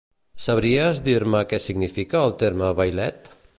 Sabries dir-me què significa el terme vailet?